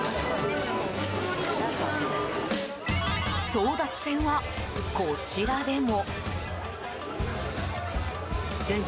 争奪戦はこちらでも。